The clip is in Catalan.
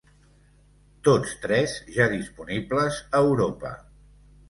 Tots tres ja disponibles a Europa.